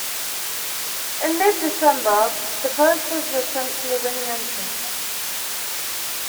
In mid-December, the posters were sent to the winning entrants.